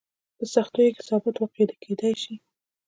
په سختیو کې ثابت واقع کېدای شي.